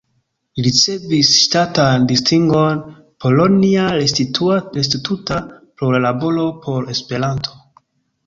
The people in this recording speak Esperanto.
Li ricevis ŝtatan distingon "Polonia Restituta" pro la laboro por Esperanto.